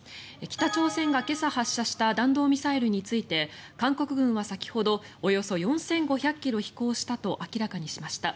北朝鮮が今朝発射した弾道ミサイルについて韓国軍は先ほどおよそ４５００ｋｍ飛行したと明らかにしました。